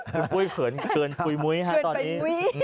คุณปุ้ยเขินเกินปุ๋ยมุ้ยฮะตอนนี้